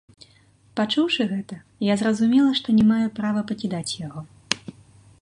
Пачуўшы гэта, я зразумела, што не маю права пакідаць яго.